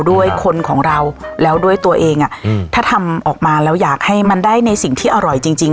ด้วยคนของเราแล้วด้วยตัวเองอ่ะอืมถ้าทำออกมาแล้วอยากให้มันได้ในสิ่งที่อร่อยจริงจริง